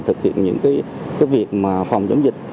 thực hiện những cái việc phòng chống dịch